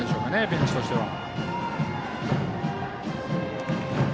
ベンチとしては。